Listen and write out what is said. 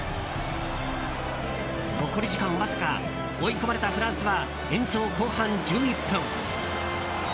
残り時間わずか、追い込まれたフランスは延長後半１１分。